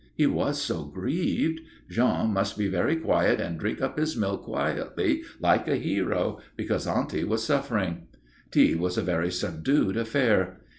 He was so grieved. Jean must be very quiet and drink up his milk quietly like a hero because Auntie was suffering. Tea was a very subdued affair.